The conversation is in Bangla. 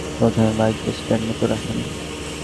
প্রথমে বাইকটা স্ট্যান্ডে তো রাখেন।